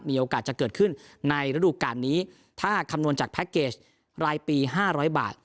มีโอกาสจะเกิดขึ้นในระดูการนี้ถ้าคำนวณจากแพ็คเกจรายปี๕๐๐บาท